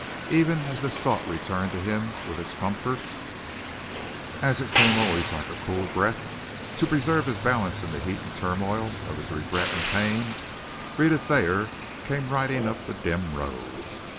Even as this thought returned to him with its comfort, as it came always like a cool breath to preserve his balance in the heat and turmoil of his regret and pain, Rhetta Thayer came riding up the dim road.